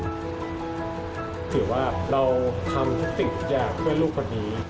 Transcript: หรือว่าเราทำทุกสิ่งทุกอย่าง